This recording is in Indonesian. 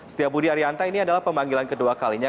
setia budi arianta ini adalah pemanggilan kedua kalinya